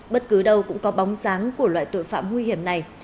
bất cứ đâu cũng có bóng dáng của loại tội phạm nguy hiểm này